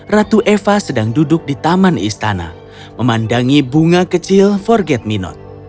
ratu eva sedang duduk di taman istana memandangi bunga kecil forget me not